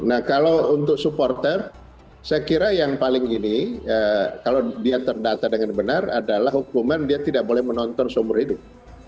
nah kalau untuk supporter saya kira yang paling ini kalau dia terdata dengan benar adalah hukuman dia tidak boleh menonton seumur hidup